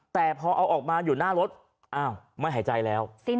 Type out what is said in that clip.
แต่พอเอาออกมาอยู่หน้ารถอ้าวไม่หายใจแล้ว